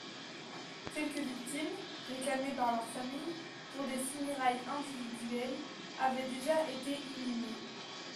Quelques victimes, réclamées par leurs familles, pour des funérailles individuelles, avaient déjà été inhumées.